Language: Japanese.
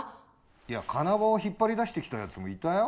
いや金棒引っ張り出してきたやつもいたよ？